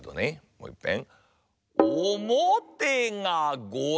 もういっぺん。